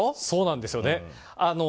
そうなんですよね。